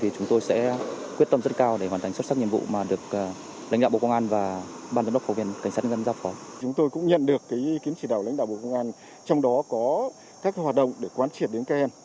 chúng tôi cũng nhận được kiến trị đạo lãnh đạo bộ công an trong đó có các hoạt động để quan triệt đến các em